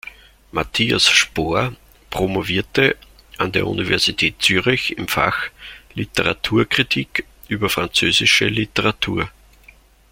Mathias Spohr promovierte an der Universität Zürich im Fach Literaturkritik über französische Literatur.